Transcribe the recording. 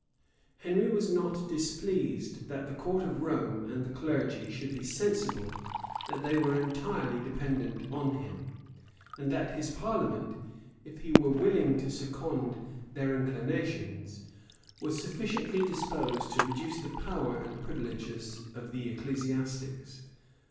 [*] Henry was not displeased that the court of Rome and the clergy should be sensible that they were entirely dependent on him, and that his parliament, if he were willing to second their inclinations, was sufficiently disposed to reduce the power and privileges of the ecclesiastics.